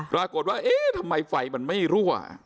ราบรวมว่าทำไมไฟมันไม่รั่ว